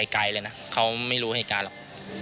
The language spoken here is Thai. ไกลเลยนะเขาไม่รู้เหตุการณ์หรอก